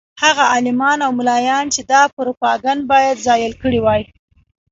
هغه عالمان او ملایان چې دا پروپاګند باید زایل کړی وای.